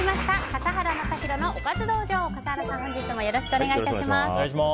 笠原さん、本日もよろしくお願いいたします。